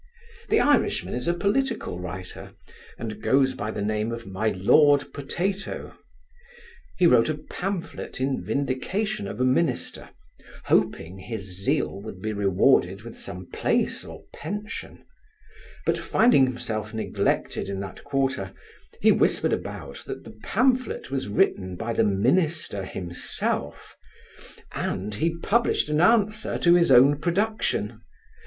The Irishman is a political writer, and goes by the name of my Lord Potatoe. He wrote a pamphlet in vindication of a minister, hoping his zeal would be rewarded with some place or pension; but, finding himself neglected in that quarter, he whispered about, that the pamphlet was written by the minister himself, and he published an answer to his own production.